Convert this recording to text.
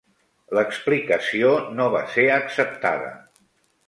L'explicació no va ser acceptada.